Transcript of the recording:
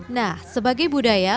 nah sebagai budaya